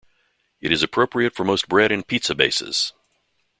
It is appropriate for most bread and pizza bases.